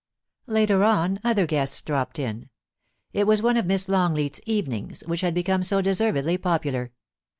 Later on, other guests dropped in. It was one of Miss Longleat^s * evenings,' which had become so deservedly popular.